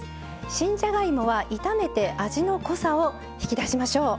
新じゃがいもは炒めて味の濃さを引き出しましょう。